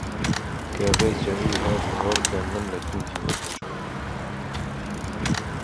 کابرای چاییچی هات، باوەڕ کە من لە کنگیەوە دەچووم!